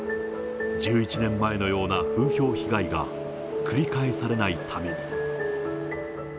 １１年前のような風評被害が繰り返されないために。